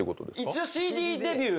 一応ＣＤデビュー。